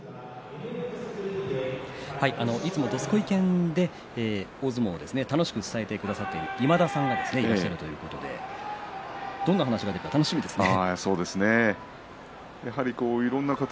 いつも「どすこい研」で大相撲を楽しく伝えてくださっている今田さんがいらっしゃるということでどんな話が出るか楽しみですね。